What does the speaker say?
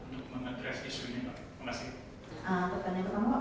terkait dengan npl pak